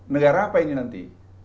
negara apa ini nanti